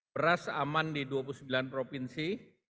beras aman di dua puluh sembilan provinsi